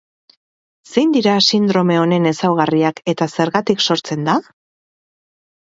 Zein dira sindrome honen ezaugarriak eta zergatik sortzen da?